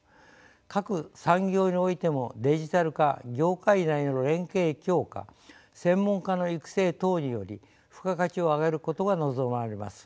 各産業においてもデジタル化業界内の連携強化専門家の育成等により付加価値を上げることが望まれます。